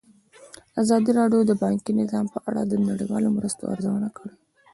ازادي راډیو د بانکي نظام په اړه د نړیوالو مرستو ارزونه کړې.